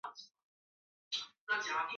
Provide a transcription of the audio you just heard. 赡养老人